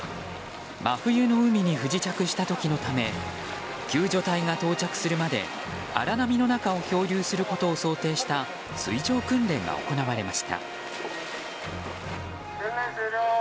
真冬の海に不時着した時のため救助隊が到着するまで荒波の中を漂流することを想定した水上訓練が行われました。